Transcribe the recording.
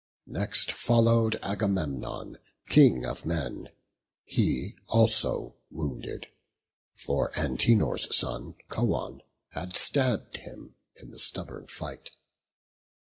Next follow'd Agamemnon, King of men, He also wounded; for Antenor's son, Coon, had stabb'd him in the stubborn fight.